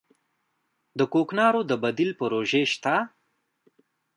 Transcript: د کوکنارو د بدیل پروژې شته؟